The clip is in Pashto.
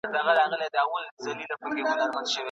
لنډ کار ورته اغېزناک و.